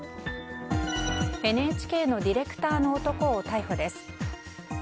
ＮＨＫのディレクターの男を逮捕です。